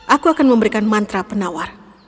aku akan memberikan mantra penawar